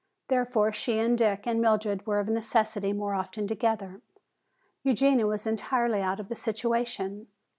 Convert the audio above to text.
Therefore she and Dick and Mildred were of necessity more often together; Eugenia was entirely out of the situation.